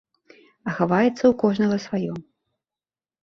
А хаваецца ў кожнага сваё.